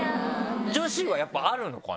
女子はやっぱあるのかね？